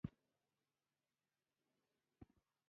وروستۍ ويډيو يې د اولادونو د نه منلو په اړه ده.